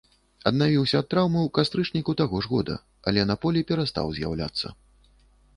Аднавіўся ад траўмы ў кастрычніку таго ж года, але на полі перастаў з'яўляцца.